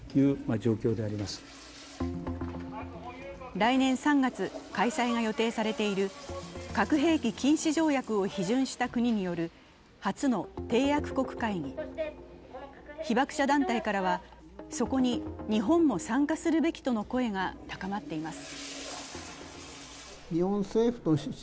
来年３月開催が予定されている核兵器禁止条約を批准した国による初の締約国会議、被爆者団体からはそこに日本も参加するべきとの声が高まっています。